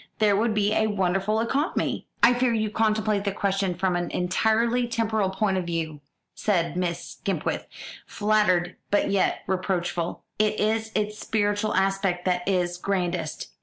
There would be a wonderful economy." "I fear you contemplate the question from an entirely temporal point of view," said Miss Skipwith, flattered but yet reproachful. "It is its spiritual aspect that is grandest."